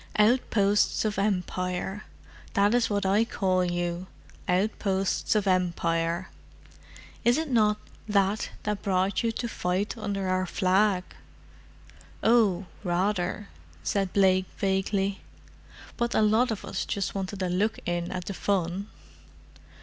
Outposts of Empire: that is what I call you: outposts of Empire. Is it not that that brought you to fight under our flag?" "Oh, rather," said Blake vaguely. "But a lot of us just wanted a look in at the fun!"